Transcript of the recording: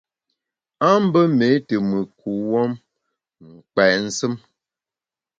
A mbe méé te mùt kuwuom, m’ nkpèt nsùm.